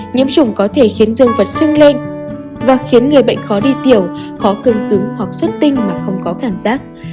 nhiễm chủng có thể khiến dương vật sưng lên và khiến người bệnh khó đi tiểu khó cương cứng hoặc xuất tinh mà không có cảm giác